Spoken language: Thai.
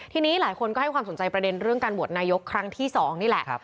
ทีนี้หลายคนค่อยว่าสนใจในการโหวตนายกกรั้ง๒นี่แหละ